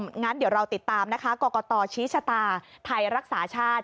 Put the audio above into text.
อย่างนั้นเดี๋ยวเราติดตามกรกตชิชชาตาไทยรักษาชาติ